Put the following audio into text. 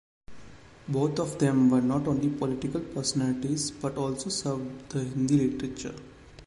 Both of them were not only political personalities, but also served the Hindi literature.